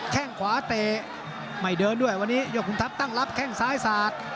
แค่งขวาเตะไม่เดินด้วยวันนี้ยกขุนทัพตั้งรับแข้งซ้ายสาด